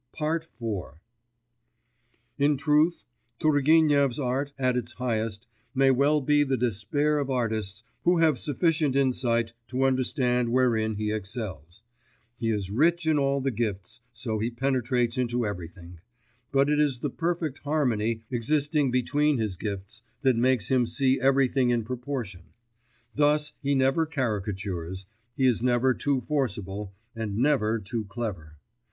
IV In truth, Turgenev's art at its highest may well be the despair of artists who have sufficient insight to understand wherein he excels. He is rich in all the gifts, so he penetrates into everything; but it is the perfect harmony existing between his gifts that makes him see everything in proportion. Thus he never caricatures; he is never too forcible, and never too clever.